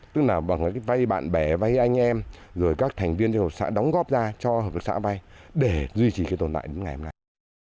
tức là bằng cái vay bạn bè vay anh em rồi các thành viên trong hợp xã đóng góp ra cho hợp tác xã vay để duy trì cái tồn tại đến ngày hôm nay